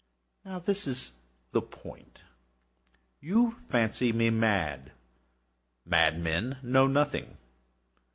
Now this is the point. You fancy me mad. Madmen know nothing.